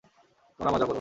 তোমরা মজা করো।